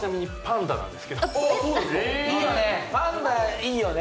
いいよね。